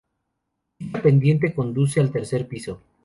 Dicha pendiente conduce al tercer piso.